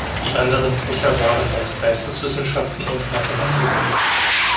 Die anderen Fächer waren meist Geisteswissenschaften und Mathematik.